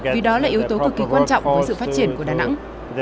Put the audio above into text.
vì đó là yếu tố cực kỳ quan trọng với sự phát triển của đà nẵng